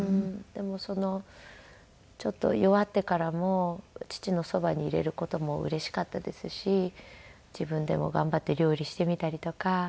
でもちょっと弱ってからも父のそばにいれる事もうれしかったですし自分でも頑張って料理してみたりとか。